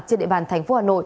trên địa bàn tp hcm